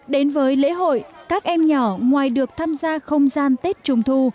đến với lễ hội các em nhỏ ngoài được tham gia không gian tết trung thu